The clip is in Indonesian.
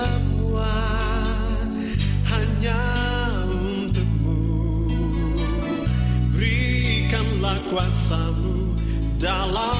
kami mengesahkan anda sehat dan memegang tanggung jawab anda apalagi